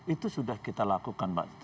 itu sudah kita lakukan mbak